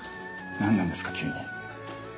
何なんですか急に。